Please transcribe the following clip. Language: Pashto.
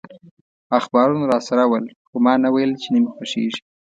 اخبارونه راسره ول، خو ما نه ویل چي نه مي خوښیږي.